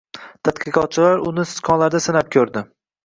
Tadqiqotchilar uni sichqonlarda sinab ko‘rdi